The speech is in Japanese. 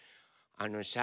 あのさ